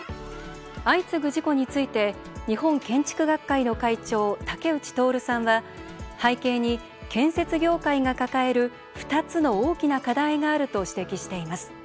相次ぐ事故について日本建築学会の会長竹内徹さんは背景に、建設業界が抱える２つの大きな課題があると指摘しています。